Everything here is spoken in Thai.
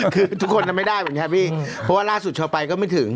คือทุกคนทำไม่ได้เหมือนกันพี่เพราะว่าล่าสุดชาวไปก็ไม่ถึง